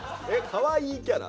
かわいいキャラ？